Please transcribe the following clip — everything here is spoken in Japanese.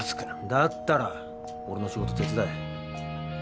だったら俺の仕事手伝え。